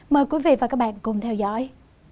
mời quý vị và các bạn cùng theo dõi